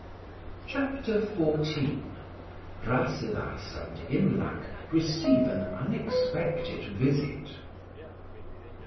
CHAPTER XIV RASSELAS AND IMLAC RECEIVE AN UNEXPECTED VISIT.